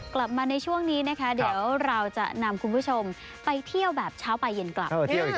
กลับมาในช่วงนี้นะคะเดี๋ยวเราจะนำคุณผู้ชมไปเที่ยวแบบเช้าไปเย็นกลับ